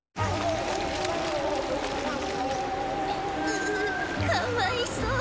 ううかわいそう。